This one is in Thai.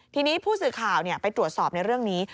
ทีนี้ผู้สื่อข่าวไปตรวจสอบในเรื่องนี้